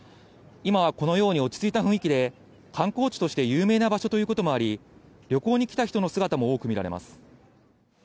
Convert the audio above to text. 今は、このように落ち着いた雰囲気で観光地として有名な場所ということもあり旅行に来た人の姿も多く見られます。